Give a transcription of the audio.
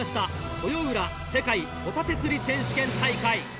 豊浦世界ホタテ釣り選手権大会。